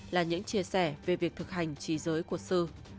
là những chia sẻ về việc thực hành trí giới của sư